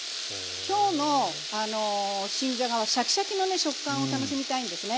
今日の新じゃがはシャキシャキのね食感を楽しみたいんですね。